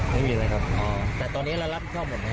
ไม่มีอะไรครับอ๋อแต่ตอนนี้เรารับผิดชอบหมดไหมนะ